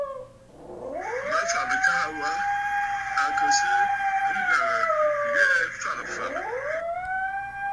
Mafàgə̀ taà wa à kɨ̀ sɨ́ nàŋə̀ ŋghɛɛ fagə̀ fàgə̀.